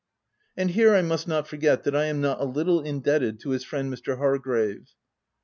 And here, I must not forget that I am not a little indebted to his friend Mr. Hargrave.